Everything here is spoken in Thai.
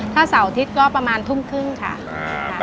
ถ้าเสาร์อาทิตย์ก็ประมาณทุ่มครึ่งค่ะ